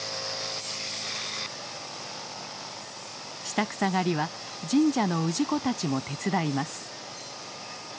下草刈りは神社の氏子たちも手伝います。